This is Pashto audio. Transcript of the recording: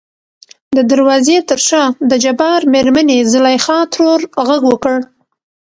د دروازې تر شا دجبار مېرمنې زليخا ترور غږ وکړ .